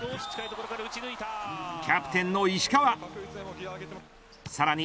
キャプテンの石川さらに